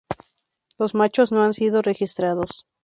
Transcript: Los machos no han sido registrados.